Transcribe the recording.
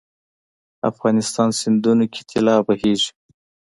افغانستان سیندونو کې طلا بهیږي